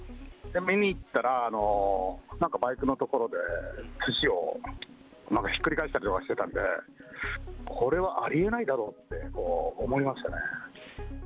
見に行ったら、なんかバイクの所ですしをひっくり返したりとかしてたんで、これはありえないだろうって思いましたね。